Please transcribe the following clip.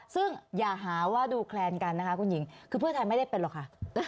ซึ่งอย่าหาว่าดูแคลนกันนะคะคุณหญิงคือเพื่อไทยไม่ได้เป็นหรอกค่ะ